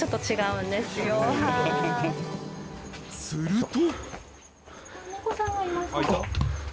［すると］